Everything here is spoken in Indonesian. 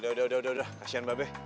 udah udah udah udah kasian mbak be